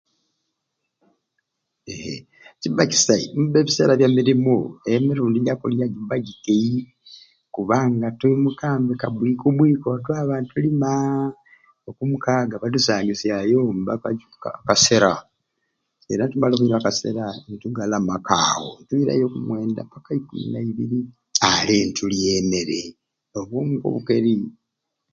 Eeeh kiba kisai mbiba ebiseera bya mirimu emirundi ja kulya jiba jikeeyi kubanga twimukambe kabwi ku mwiko ntwaba ntuluma, okumukaga batusangisyayombe akacupa akaseera era nitumala okunywa akasera nitugalamaku awo nitwirayo okumwenda paka ikumi naibiri alee nitulya emmere obwo nibwo obugeri.